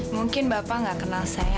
mungkin bapak nggak kenal saya